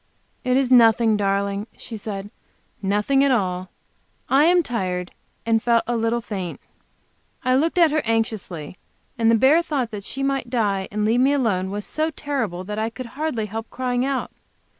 "It is nothing, darling," she said, "nothing at all. I am tired, and felt a little faint." I looked at her anxiously, and the bare thought that she might die and leave me alone was so terrible that I could hardly help crying out.